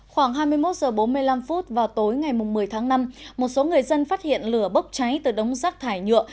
khoảng hai mươi một h bốn mươi năm vào tối ngày một mươi tháng năm một số người dân phát hiện lửa bốc cháy từ đống rác thải nhựa